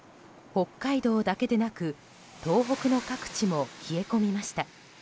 北海道だけでなく東北の各地も冷え込みました。